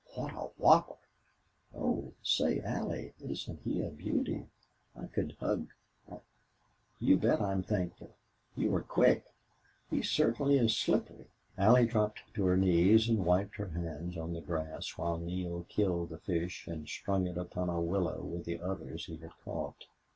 "What a whopper! Oh, say, Allie, isn't he a beauty? I could hug I You bet I'm thankful. You were quick.... He certainly is slippery." Allie dropped to her knees and wiped her hands on the grass while Neale killed the fish and strung it upon a willow with the others he had caught.